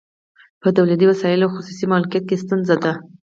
په تولیدي وسایلو خصوصي مالکیت ستونزه ده